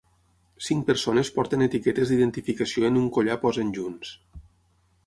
Cinc persones porten etiquetes d'identificació en un collar posen junts